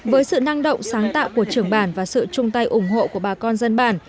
với sự năng động sáng tạo của trưởng bản và sự chung tay ủng hộ của bà con dân bản